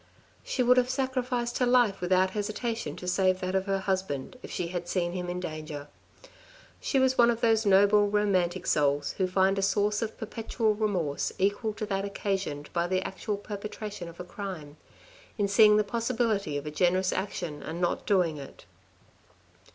She would have sacrificed her life without hesitation to save that of her husband if she had seen him in danger. She was one of those noble, romantic souls who find a source of perpetual remorse equal to that occasioned by the actual perpetration of a crime, in seeing the possibility of a generous action and not doing it.